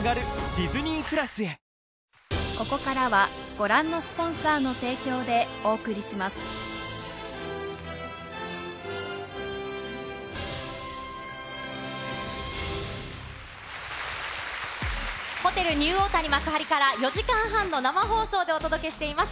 豪華ゲストの到着を、こちらからホテルニューオータニ幕張から、４時間半の生放送でお届けしています。